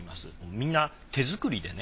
みんな手作りでね